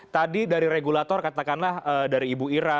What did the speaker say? tadi dari regulator katakanlah dari ibu ira